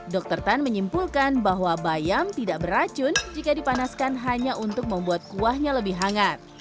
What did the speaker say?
dokter tan menyimpulkan bahwa bayam tidak beracun jika dipanaskan hanya untuk membuat kuahnya lebih hangat